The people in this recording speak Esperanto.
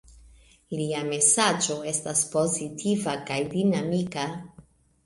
Lia mesaĝo estas pozitiva kaj dinamika.